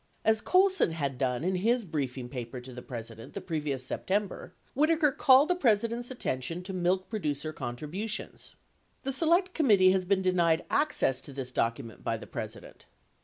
As Colson had done in his briefing paper to the President the previous September, Whitaker called the President's attention to milk producer contri butions. The Select Committee has been denied access to this document by the President.